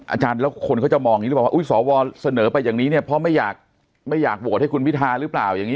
อาจารย์แล้วคนเขามองว่าสอวาเสนอใจจากนี้เพราะว่าไม่อยากโถตให้คุณวิทาลึง